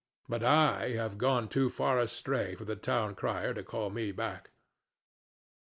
But I have gone too far astray for the town crier to call me back.